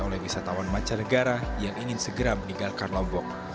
oleh wisatawan mancanegara yang ingin segera meninggalkan lombok